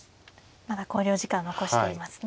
まだ考慮時間残していますね。